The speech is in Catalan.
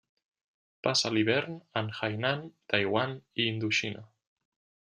Passa l'hivern en Hainan, Taiwan i Indoxina.